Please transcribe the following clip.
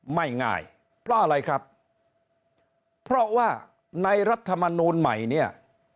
ไม่ง่ายเพราะอะไรครับเพราะว่าในรัฐมนูลใหม่เนี่ย